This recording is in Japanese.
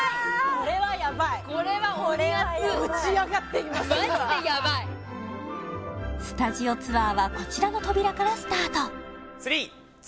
これはヤバいこれは鬼アツマジでヤバいスタジオツアーはこちらの扉からスタート